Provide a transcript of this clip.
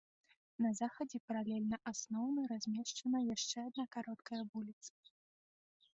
На захадзе, паралельна асноўны, размешчана яшчэ адна кароткая вуліца.